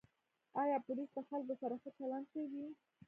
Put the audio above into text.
آیا پولیس له خلکو سره ښه چلند کوي؟